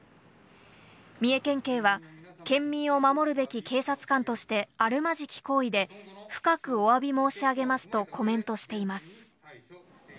三重県警は、県民を守るべき警察官としてあるまじき行為で深くお詫び申し上げますとコメントしています。